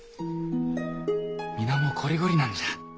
皆もうこりごりなんじゃ。